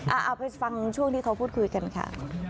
เอาไปฟังช่วงที่เขาพูดคุยกันค่ะ